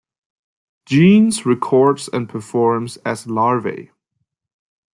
Jeanes records and performs as Larvae.